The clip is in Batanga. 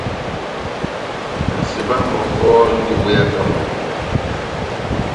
Nʼseba mɔkɔ múndi múweyaka moto.